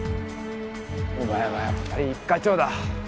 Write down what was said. お前はやっぱり一課長だ。